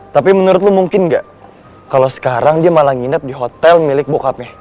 tapi menurut lo mungkin nggak kalau sekarang dia malah nginep di hotel milik bokapnya